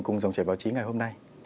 cùng dòng chảy báo chí ngày hôm nay